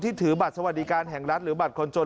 ถือบัตรสวัสดิการแห่งรัฐหรือบัตรคนจน